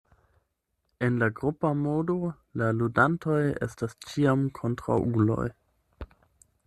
En la grupa modo, la ludantoj estas ĉiam kontraŭuloj.